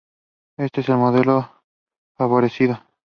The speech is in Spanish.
Este es el modelo favorecido.